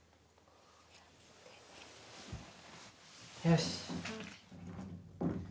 よし。